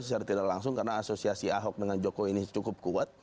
secara tidak langsung karena asosiasi ahok dengan jokowi ini cukup kuat